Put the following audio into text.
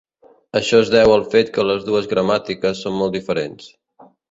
Això es deu al fet que les dues gramàtiques són molt diferents.